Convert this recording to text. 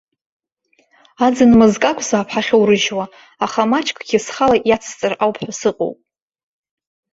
Аӡын мызкакәзаап ҳахьоурыжьуа, аха маҷкгьы схала иацсҵар ауп ҳәа сыҟоуп.